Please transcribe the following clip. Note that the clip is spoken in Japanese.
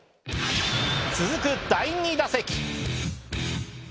続く第２打席。